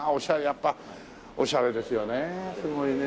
やっぱおしゃれですよねすごいね。